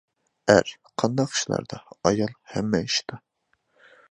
ئەر: قانداق ئىشلاردا؟ ئايال: ھەممە ئىشتا.